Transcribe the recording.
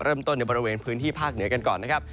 ในบริเวณพื้นที่ภาคเหนือกันก่อนนะครับ